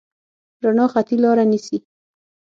رڼا خطي لاره نیسي.